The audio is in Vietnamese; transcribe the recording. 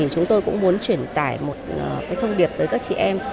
chúng tôi cũng muốn truyền tải một thông điệp tới các chị em